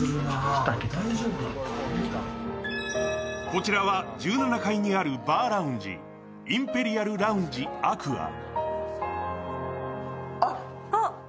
こちらは１７階にあるバーラウンジ、インペリアルラウンジアクア。